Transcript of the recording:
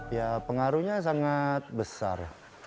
ya pengaruhnya sangat besar